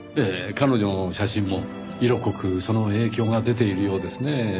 彼女の写真も色濃くその影響が出ているようですねぇ。